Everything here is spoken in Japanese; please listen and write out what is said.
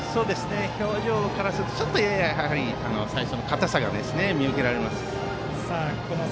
表情からするとやや最初の硬さが見受けられます。